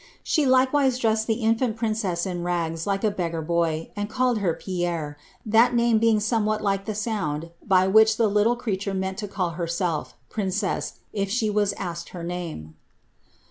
She likewise dressed the in ■JBcea in ngs, like a beggar boy, and called her * Pierre,* that being aoowwhat like the sound by which the little creators meant II hmelf, ^princeas,' if she was asked her name.